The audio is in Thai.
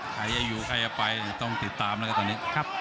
ใครอยู่ใครไปต้องติดตามและก็ตอนนี้